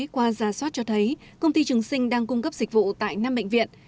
qua gia soát cho thấy công ty trường sinh đang cung cấp dịch vụ tại năm bệnh viện